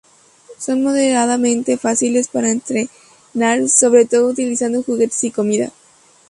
Son moderadamente fáciles para entrenar sobre todo utilizando juguetes y comida.